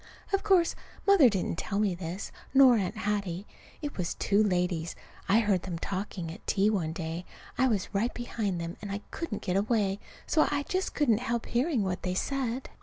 Of course Mother didn't tell me this, nor Aunt Hattie. It was two ladies. I heard them talking at a tea one day. I was right behind them, and I couldn't get away, so I just couldn't help hearing what they said.